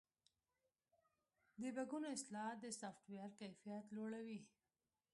د بګونو اصلاح د سافټویر کیفیت لوړوي.